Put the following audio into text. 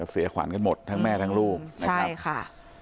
เสียขวานกันหมดทั้งแม่ทั้งลูกใช่ค่ะ